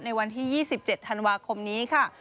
วันที่๒๗ธันวาคมนี้ค่ะ